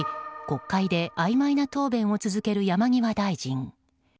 国会であいまいな答弁を続ける山際大臣。